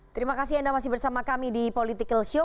terima kasih anda masih bersama kami di political show